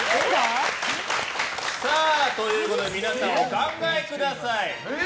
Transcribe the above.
皆さん、お考えください。